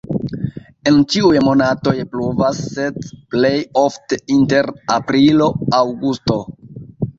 En ĉiuj monatoj pluvas, sed plej ofte inter aprilo-aŭgusto.